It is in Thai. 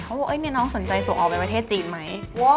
เขาว่าเนี่ยน้องสนใจส่งออวไว้ประเทศจีนไหม